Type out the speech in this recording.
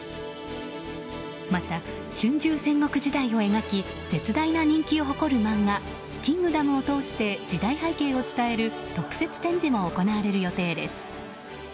また、春秋戦国時代を描き絶大な人気を誇る漫画「キングダム」を通して時代背景を伝える特設展示も行われる予定です。